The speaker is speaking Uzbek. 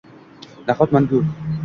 Nahot, mangu?